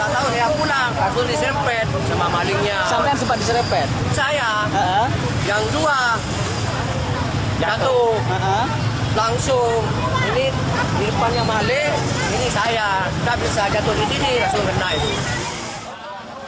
keluar jatuh langsung ini di depannya malik ini saya kita bisa jatuh di sini langsung kena itu